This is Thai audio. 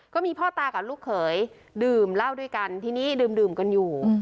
ก็มีพ่อตากับลูกเขยดื่มเหล้าด้วยกันทีนี้ดื่มกันอยู่